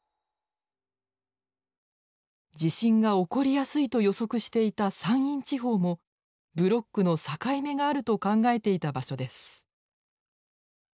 地震が起こりやすいと予測していた山陰地方もブロックの境目があると考えていた場所です。